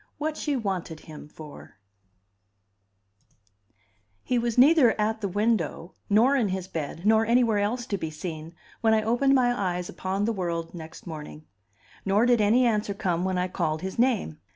XX: What She Wanted Him For He was neither at the window, nor in his bed, nor anywhere else to be seen, when I opened my eyes upon the world next morning; nor did any answer come when I called his name.